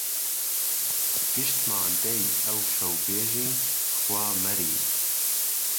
گشتمان دهی ئهوشهو بێژین خوا مهری